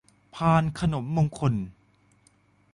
พานขนมมงคล